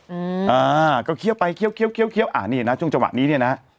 อืมอ่าก็เคี้ยวไปเคี้ยเคี้ยวอ่านี่นะช่วงจังหวะนี้เนี่ยนะฮะ